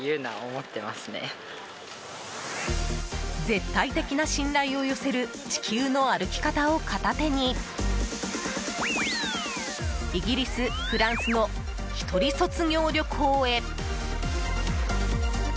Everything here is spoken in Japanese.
絶対的な信頼を寄せる「地球の歩き方」を片手にイギリス、フランスの一人卒業旅行へ。